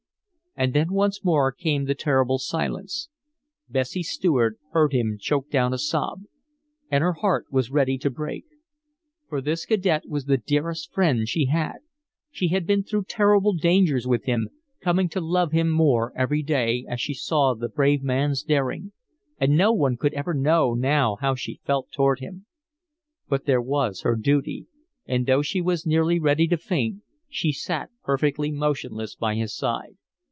And then once more came the terrible silence. Bessie Stuart heard him choke down a sob; and her heart was ready to break. For this cadet was the dearest friend she had. She had been through terrible dangers with him, coming to love him more every day, as she saw the brave man's daring. And no one could ever know now how she felt toward him. But there was her duty; and though she was nearly ready to faint, she sat perfectly motionless by his side.